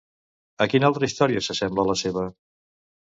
A quina altra història s'assembla la seva?